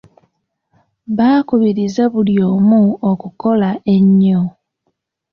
Baakubiriza buli omu okukola ennyo.